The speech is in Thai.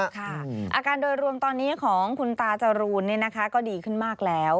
อาการโดยรวมตอนนี้ของคุณตาจรูนก็ดีขึ้นมากแล้ว